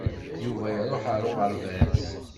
Yuba iṛuḥ ar uɣerbaz.